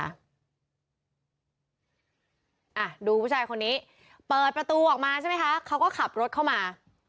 อ่ะดูผู้ชายคนนี้เปิดประตูออกมาใช่ไหมคะเขาก็ขับรถเข้ามา